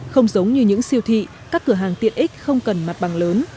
không giống như những siêu thị các cửa hàng tiện ích không cần mặt bằng lớn